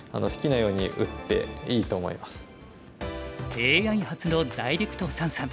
ＡＩ発のダイレクト三々。